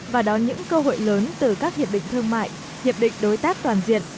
và đón những cơ hội lớn từ các hiệp định thương mại hiệp định đối tác toàn diện